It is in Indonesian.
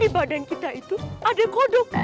di badan kita itu ada kodok